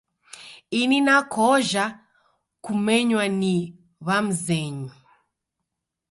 Ini nakoja kumenywa ni w'amzenyu